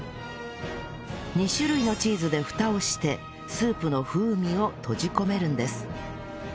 ２種類のチーズでフタをしてスープの風味を閉じ込めるんです